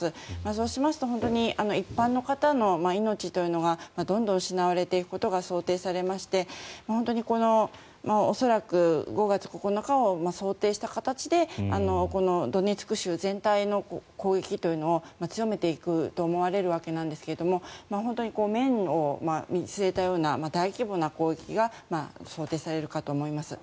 そうしますと本当に一般の方の命というのがどんどん失われていくことが想定されまして本当に恐らく５月９日を想定した形でこのドネツク州全体の攻撃というのを強めていくと思われるわけなんですけど本当に面を見据えたような大規模な攻撃が想定されるかと思います。